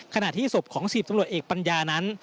ขณะที่ศพของ๑๐ตำรวจเอกปัญญานั้น